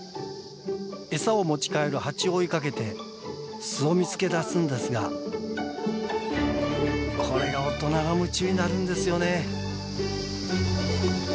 餌を持ち帰るハチを追いかけて巣を見つけ出すんですがこれが大人が夢中になるんですよね。